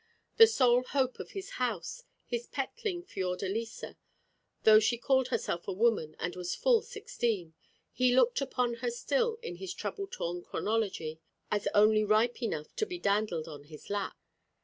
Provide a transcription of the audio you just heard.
The sole hope of his house, his petling Fiordalisa, though she called herself a woman and was full sixteen, he looked upon her still in his trouble torn chronology, as only ripe enough to be dandled on his lap.